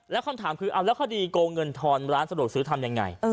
แล้วคำถามคือเอาแล้วคดีโกงเงินทอนร้านสะดวกซื้อทำยังไง